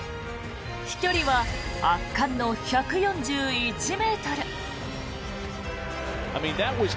飛距離は圧巻の１４１ｍ。